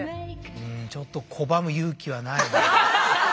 うんちょっと拒む勇気はないな。